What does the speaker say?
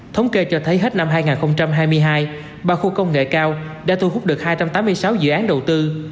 thống kê cho thấy hết năm hai nghìn hai mươi hai ba khu công nghệ cao đã thu hút được hai trăm tám mươi sáu dự án đầu tư